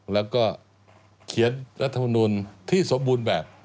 แล้วก็เขียนรัฐมนุนที่สมบูรณ์แบบ